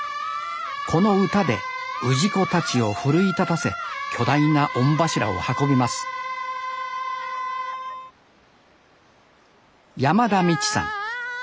この歌で氏子たちを奮い立たせ巨大な御柱を運びます山田未知さん。